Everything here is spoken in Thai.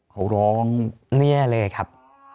เขาร้องเรียเลยครับ